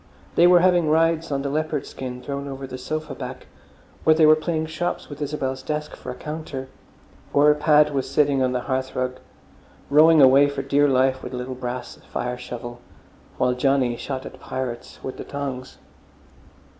They were having rides on the leopard skin thrown over the sofa back, or they were playing shops with Isabel's desk for a counter, or Pad was sitting on the hearthrug rowing away for dear life with a little brass fire shovel, while Johnny shot at pirates with the tongs.